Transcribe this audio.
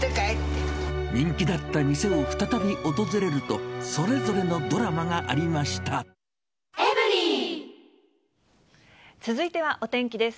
人気だった店を再び訪れると、続いてはお天気です。